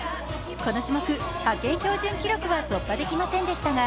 この種目、派遣標準記録は突破できませんでしたが